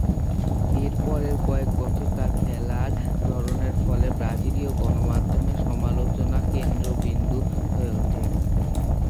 এর পরের কয়েক বছর তার খেলার ধরনের ফলে ব্রাজিলীয় গণমাধ্যমের সমালোচনা কেন্দ্রবিন্দু হয়ে ওঠেন।